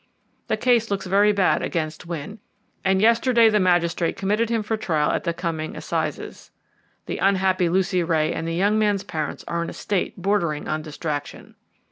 The case looks very bad against Wynne, and yesterday the magistrate committed him for trial at the coming assizes. The unhappy Lucy Ray and the young man's parents are in a state bordering on distraction."